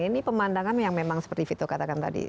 ini pemandangan yang memang seperti vito katakan tadi